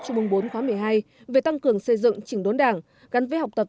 chung bùng bốn khóa một mươi hai về tăng cường xây dựng chỉnh đốn đảng gắn với học tập